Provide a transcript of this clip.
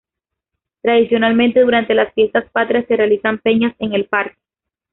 Tradicionalmente durante las Fiestas Patrias se realizan peñas en el parque.